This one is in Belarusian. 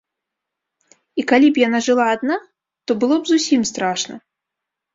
І калі б яна жыла адна, то было б зусім страшна.